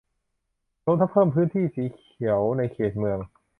รวมทั้งเพิ่มพื้นที่สีเขียวในเขตเมือง